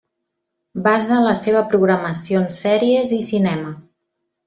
Basa la seva programació en sèries i cinema.